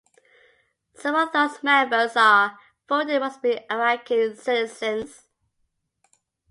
Seven of those members are voting and must be Iraqi citizens.